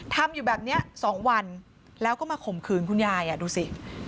ทำอยู่แบบนี้๒วันแล้วก็มาข่มขืนคุณยายดูสิ